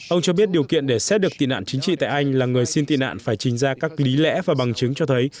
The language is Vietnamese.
ông cho biết điều kiện để xét được tị nạn chính trị tại anh là người xin tị nạn phải trình ra các lý lẽ và bằng chứng cho thấy